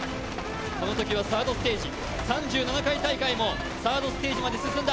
このときはサードステージ、３７回大会もサードステージまで進んだ。